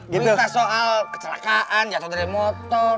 diminta soal kecelakaan jatuh dari motor